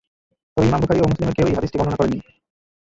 তবে ইমাম বুখারী ও মুসলিমের কেউই হাদীসটি বর্ণনা করেননি।